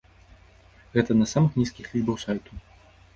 Гэта адна з сама нізкіх лічбаў сайту.